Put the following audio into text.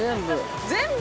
◆全部！？